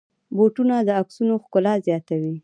بوټونه د عکسونو ښکلا زیاتوي.